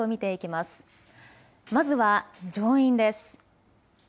まずは上院です。